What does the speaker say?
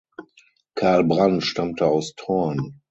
Carl Brandt stammte aus Thorn.